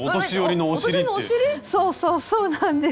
そうそうそうなんです。